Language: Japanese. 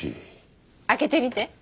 開けてみて。